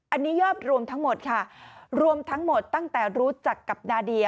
อันนี้ยอดรวมทั้งหมดค่ะรวมทั้งหมดตั้งแต่รู้จักกับนาเดีย